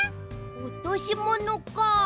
おとしものかあ。